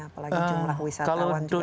apalagi jumlah wisatawan juga pasti berkurang